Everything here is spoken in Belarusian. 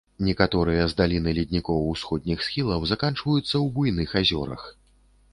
Некаторыя з даліны леднікоў усходніх схілаў заканчваюцца ў буйных азёрах.